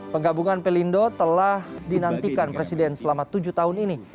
penggabungan pelindo telah dinantikan presiden selama tujuh tahun ini